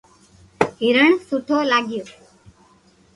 ھيرن سٺو لاگيو